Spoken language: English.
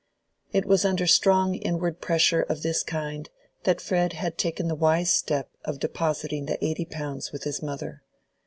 It was under strong inward pressure of this kind that Fred had taken the wise step of depositing the eighty pounds with his mother.